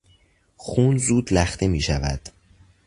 خون زود لخته میشود.